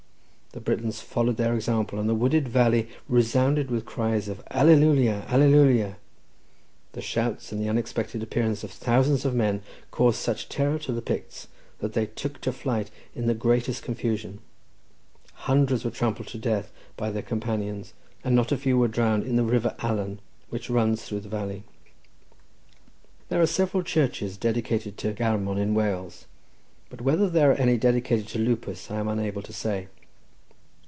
The Britons followed their example, and the wooded valley resounded with cries of "Alleluia! alleluia!" The shouts and the unexpected appearance of thousands of men caused such terror to the Picts, that they took to flight in the greatest confusion, hundreds were trampled to death by their companions, and not a few were drowned in the river Alan which runs through the valley. There are several churches dedicated to Garmon in Wales, but whether there are any dedicated to Lupus I am unable to say.